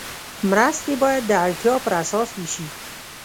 مرستې باید د اړتیا پر اساس وشي.